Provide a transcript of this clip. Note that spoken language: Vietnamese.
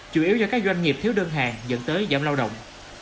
chủ yếu do các doanh nghiệp thiếu đơn hàng dẫn tới giảm lao động